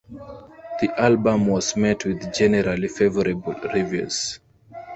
The album was met with generally favorable reviews.